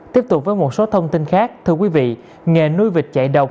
tiếp tục với một số thông tin khác thưa quý vị nghề nuôi vịt chạy đồng